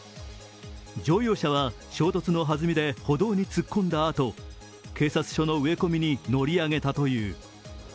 乗用車は衝突の弾みで歩道に突っ込んだあと警察署の植え込みに乗り上げたという。